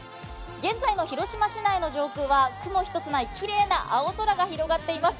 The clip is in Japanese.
現在の広島市内の上空は雲一つないきれいな青空が広がっています。